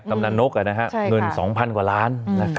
กำลังนกเงิน๒๐๐๐กว่าล้าน